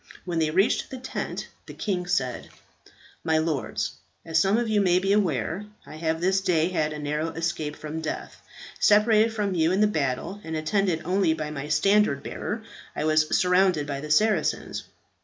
When they reached the tent, the king said, "My lords, as some of you may be aware, I have this day had a narrow escape from death. Separated from you in the battle, and attended only by my standard bearer, I was surrounded by the Saracens.